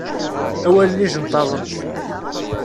Awalen ijenṭaḍen.